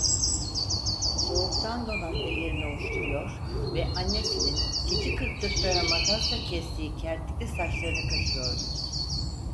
Soğuktan donan ellerini ovuşturuyor ve annesinin keçi kırptıkları makasla kestiği kertikli saçlarını kaşıyordu.